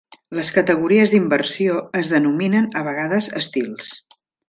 Las categories d'inversió es denominen a vegades "estils".